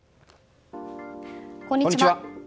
こんにちは。